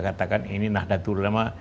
katakan ini nahdlatul ulama